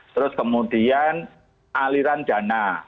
terus kemudian aliran dana